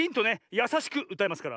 やさしくうたいますから。